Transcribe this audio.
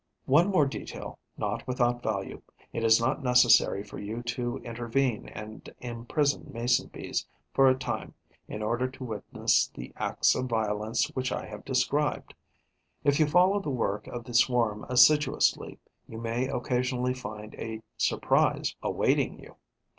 One more detail not without value: it is not necessary for you to intervene and imprison Mason bees for a time in order to witness the acts of violence which I have described. If you follow the work of the swarm assiduously, you may occasionally find a surprise awaiting you.